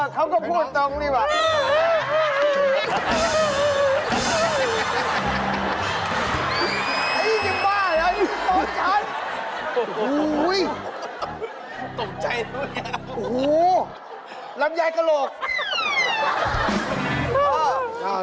เขาบอกงานเลยเขาบอกอะไรนะ